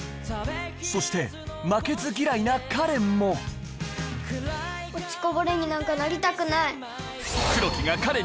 そして負けず嫌いな花恋も落ちこぼれになんかなりたくない。